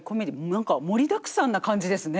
何か盛りだくさんな感じですね。